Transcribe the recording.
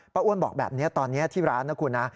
อ้วนบอกแบบนี้ตอนนี้ที่ร้านนะคุณนะ